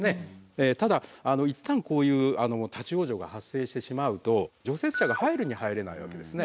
ただ一旦こういう立往生が発生してしまうと除雪車が入るに入れないわけですね。